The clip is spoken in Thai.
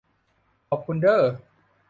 ขอบคุณเด้อ